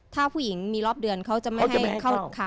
ถ้าผู้หญิงมีรอบเดือนเขาจะไม่ให้เข้าขา